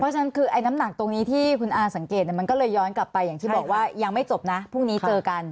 เพราะฉะนั้นคือไอ้น้ำหนักตรงนี้ที่คุณอาสังเกตมันก็เลยย้อนกลับไปอย่างที่บอกว่ายังไม่จบนะพรุ่งนี้เจอกัน